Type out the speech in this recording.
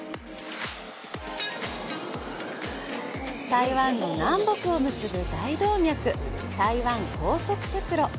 台湾の南北を結ぶ大動脈、台湾高速鉄路。